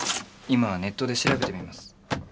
今ネットで調べてみます。